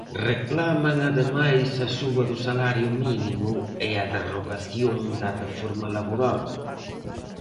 Reclaman, ademais, a suba do salario mínimo e a derrogación da reforma laboral.